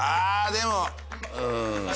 でも。